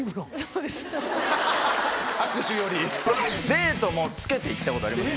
デートも着けて行ったことありますね。